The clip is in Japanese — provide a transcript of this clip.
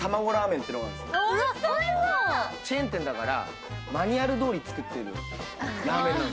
チェーン店だからマニュアルどおり作ってるラーメンなんですよ。